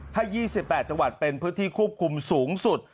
ถ้า๒๘จังหวัดเป็นพื้นที่ควบคุมสูงสุด